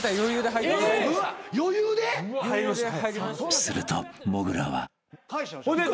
［するともぐらは］